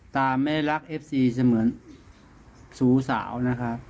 ตาไม่รักเอฟซีเสมือนสูสาวนะคะ